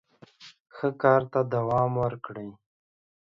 ښه کار ته دوام ورکړئ.